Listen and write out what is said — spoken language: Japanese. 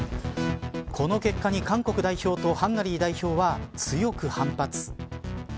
この結果に韓国代表とハンガリー代表は強く反発。